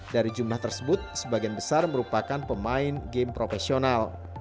dari jumlah tersebut sebagian besar merupakan pemain game profesional